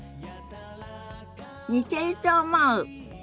似てると思う。